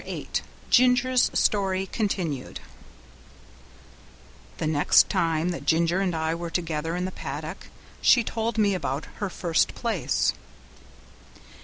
08 Ginger's Story Continued The next time that Ginger and I were together in the paddock she told me about her first place.